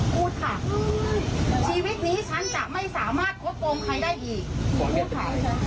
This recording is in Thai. พูดค่ะชีวิตนี้ฉันจะไม่สามารถโฆษ์โปรงใครได้อีกพูดค่ะ